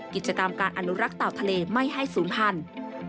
กิจกรรมการอนุรักษ์เต่าทะเลไม่ให้ศูนย์พันธุ์